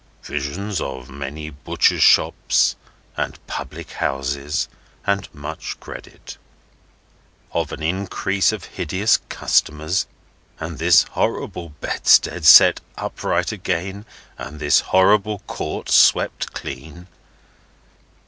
"Visions of many butchers' shops, and public houses, and much credit? Of an increase of hideous customers, and this horrible bedstead set upright again, and this horrible court swept clean?